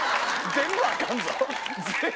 全部アカンぞ！